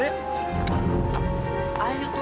kita selesaikan si fahim